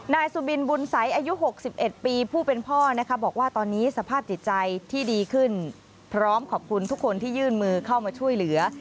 นายสุบินบุญสัยอายุ๖๑ปีผู้เป็นพ่อนะคะบอกว่าตอนนี้สภาพจิตใจที่ดีขึ้นพร้อมขอบคุณทุกคนที่ยื่นมือเข้ามาช่วยเหลือ